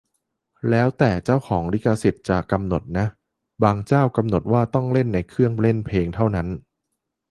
แล้วแต่เจ้าของลิขสิทธิ์จะกำหนดน่ะ - บางเจ้ากำหนดว่าต้องเล่นในเครื่องเล่นเพลงเท่านั้น